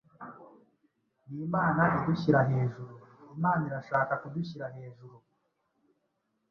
Ni Imana Idushyira hejuru! Imana irashaka kudushyira hejuru,